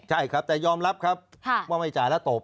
ใช่ครับแต่ยอมรับครับว่าไม่จ่ายแล้วตบ